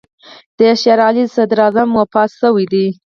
د شېر علي صدراعظم وفات شوی دی.